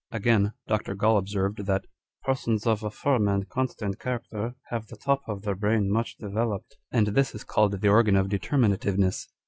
Again, Dr. Gall observed, that " persons of a firm and constant character have the top of the brain much de veloped ;" and this is called the organ of determinativeness.